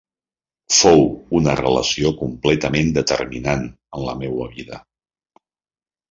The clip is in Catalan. Fou una relació completament determinant en la meua vida.